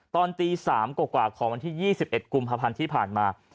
ตอนตี๓กว่าของวันที่๒๑กุมภาพันธ์ที่ผ่านมา